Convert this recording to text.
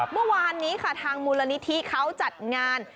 เมื่อวานนี้ค่ะทางมูลนิธิเขาจัดงาน